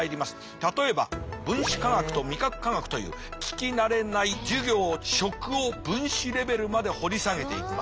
例えば分子科学と味覚科学という聞き慣れない授業食を分子レベルまで掘り下げていきます。